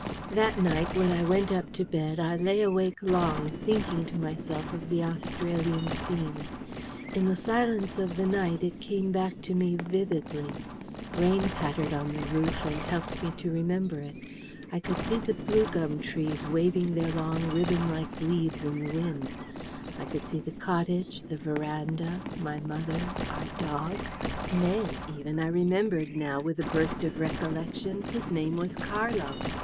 That night, when I went up to bed, I lay awake long, thinking to myself of the Australian scene. In the silence of the night it came back to me vividly. Rain pattered on the roof, and helped me to remember it. I could see the blue gum trees waving their long ribbon like leaves in the wind: I could see the cottage, the verandah, my mother, our dog: nay, even, I remembered now, with a burst of recollection, his name was Carlo.